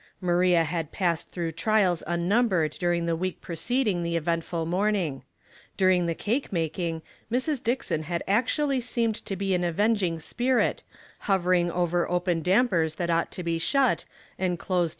Maria 6ad passed through trials unnumbered during the week preceding the eventful morning. Dur ing the cake making, Mrs. Dickson had actually cseemed to be an avenging spirit, hovering over open dampers that ought to be shut, and closed